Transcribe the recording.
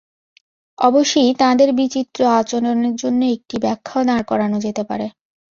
অবশ্যি তাঁদের বিচিত্র আচরণের অন্য একটি ব্যাখ্যাও দাঁড় করানো যেতে পারে।